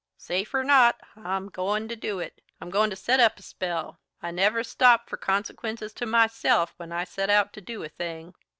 "Safe or not, I'm goin' to do it. I'm goin' to set up a spell. I never stop for consequences to myself when I set out to do a thing."